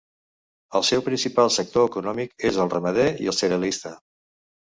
El seu principal sector econòmic és el ramader i el cerealista.